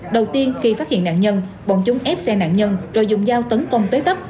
đầu tiên khi phát hiện nạn nhân bọn chúng ép xe nạn nhân rồi dùng dao tấn công tới tấp